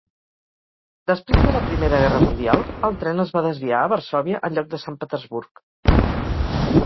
Després de la Primera Guerra Mundial, el tren es va desviar a Varsòvia en lloc de Sant Petersburg.